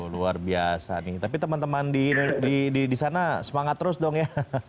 luar biasa nih tapi teman teman di sana semangat terus dong ya